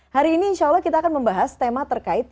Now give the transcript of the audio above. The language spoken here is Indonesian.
hari ini insya allah kita akan membahas tema terkait